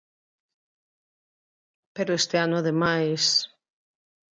Pero este ano ademais...